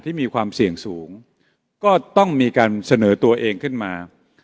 มีความเสี่ยงสูงก็ต้องมีการเสนอตัวเองขึ้นมา